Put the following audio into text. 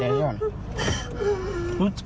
เดี๋ยวนี้ได้ด้วย